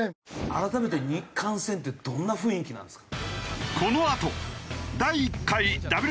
改めて日韓戦ってどんな雰囲気なんですか？